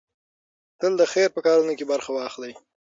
تل د خير په کارونو کې برخه واخلئ.